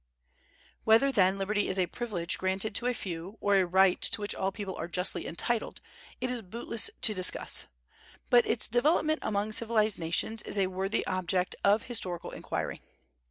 Whether, then, liberty is a privilege granted to a few, or a right to which all people are justly entitled, it is bootless to discuss; but its development among civilized nations is a worthy object of historical inquiry.